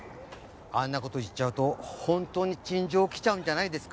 あんなこと言っちゃうとほんとに陳情来ちゃうんじゃないですか？